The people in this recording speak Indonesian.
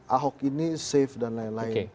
ahok ini safe dan lain lain